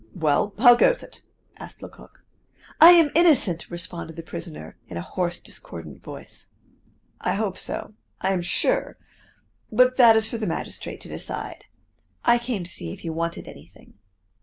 "Well, how goes it?" asked Lecoq. "I am innocent!" responded the prisoner, in a hoarse, discordant voice. "I hope so, I am sure but that is for the magistrate to decide. I came to see if you wanted anything."